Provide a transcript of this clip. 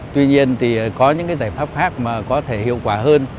tuy nhiên thì có những cái giải pháp khác mà có thể hiệu quả hơn